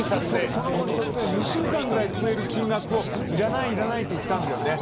その子にとっては２週間ぐらい食える金額をいらない、いらないって言ったのよね。